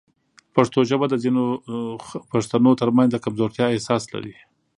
پښتو ژبه د ځینو پښتنو ترمنځ د کمزورتیا احساس لري.